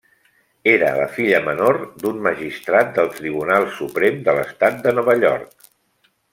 Era la filla menor d'un magistrat del Tribunal Suprem de l'estat de Nova York.